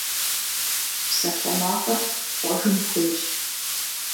Псалъэмакъыр хъуэжын хуейщ.